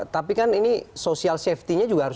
tapi kan ini social safety nya juga harus